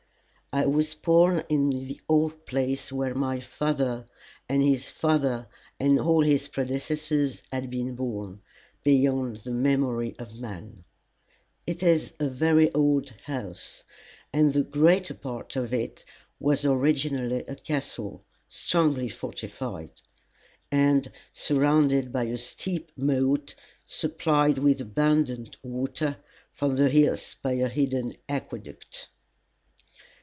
I was born in the old place where my father, and his father, and all his predecessors had been born, beyond the memory of man. It is a very old house, and the greater part of it was originally a castle, strongly fortified, and surrounded by a steep moat supplied with abundant water from the hills by a hidden aqueduct.